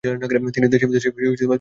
তিনি দেশে বিদেশে চিকিৎসা নেন।